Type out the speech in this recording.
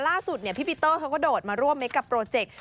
ล่าสุดพี่ปีเตอร์เขาก็โดดมาร่วมเคคกับโปรเจกต์